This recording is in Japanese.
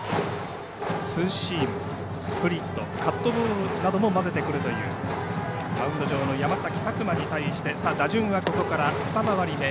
ツーシーム、スプリットカットボールなども交ぜてくるというマウンド上の山崎琢磨に対して打順は、ここから２回り目。